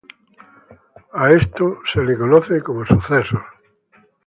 A esto se le conoce como "eventos".